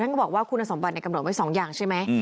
ก็บอกว่าคุณสมบัติกำหนดไว้๒อย่างใช่ไหม